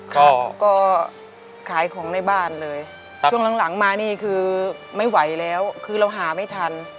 เขาก็ขายของในบ้านเลยช่วงหลังมานี่คือไม่ไหวแล้วคือเราหาไม่ทัน